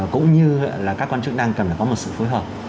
cũng như là các quan trọng đang cần phải có một sự phối hợp